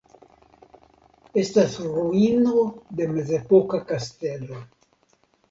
Estas ruino de mezepoka kastelo.